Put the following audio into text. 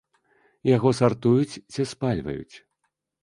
Яго сартуюць ці спальваюць?